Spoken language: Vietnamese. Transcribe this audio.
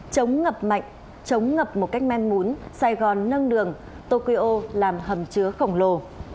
chống ngập mạnh chống ngập một cách men sài gòn nâng đường tokyo làm hầm chứa khổng lồ